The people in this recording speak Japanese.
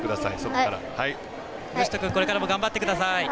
これからも頑張ってください。